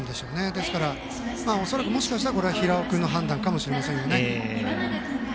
ですから、恐らくもしかしたらこれは平尾君の判断かもしれませんよね。